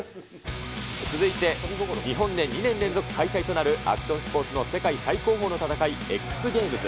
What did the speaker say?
続いて日本で２年連続開催となるアクションスポーツの世界最高峰の戦い、ＸＧａｍｅｓ。